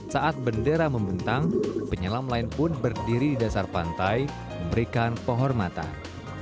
saat bendera membentang penyelam lain pun berdiri di dasar pantai memberikan penghormatan